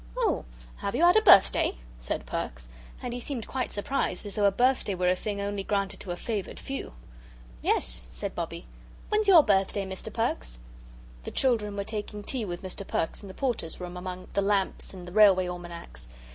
"Oh, have you had a birthday?" said Perks; and he seemed quite surprised, as though a birthday were a thing only granted to a favoured few. "Yes," said Bobbie; "when's your birthday, Mr. Perks?" The children were taking tea with Mr. Perks in the Porters' room among the lamps and the railway almanacs.